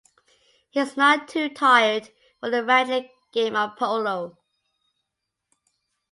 He is not too tired for a rattling game of polo.